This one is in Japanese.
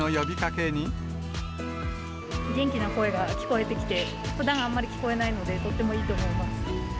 元気な声が聞こえてきて、ふだんあまり聞こえないので、とってもいいと思います。